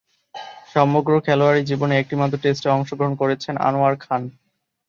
সমগ্র খেলোয়াড়ী জীবনে একটিমাত্র টেস্টে অংশগ্রহণ করেছেন আনোয়ার খান।